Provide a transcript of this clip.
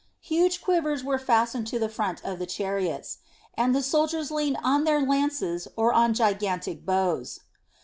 Huge quivers were fastened to the front of the chariots, and the soldiers leaned on their lances or on gigantic bows.